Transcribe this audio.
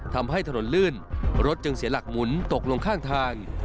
ทำให้ถนนลื่นรถจึงเสียหลักหมุนตกลงข้างทาง